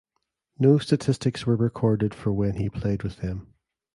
No statistics were recorded for when he played with them.